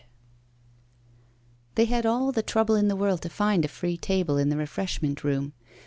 They had all the trouble in the world to find a free table in the refreshment room.